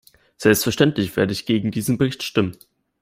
Selbstverständlich werde ich gegen diesen Bericht stimmen.